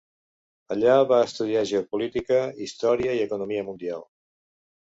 Allà va estudiar geopolítica, història i economia mundial.